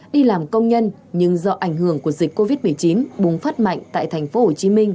đi làm công nhân nhưng do ảnh hưởng của dịch covid một mươi chín bùng phát mạnh tại thành phố hồ chí minh